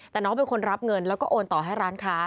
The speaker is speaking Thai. แต่น้องเป็นคนรับเงินแล้วก็โอนต่อให้ร้านค้า